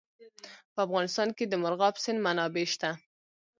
په افغانستان کې د مورغاب سیند منابع شته.